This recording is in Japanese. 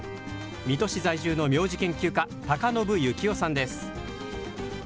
水戸市在住の名字研究家高信幸男さんです。